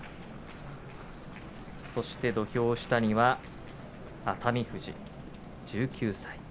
そして土俵下には熱海富士１９歳。